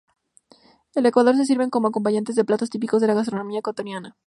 En Ecuador se sirven como acompañantes de platos típicos de la gastronomía ecuatoriana.